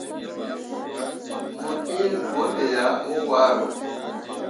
Mo iŋ gwulle ah mo waro.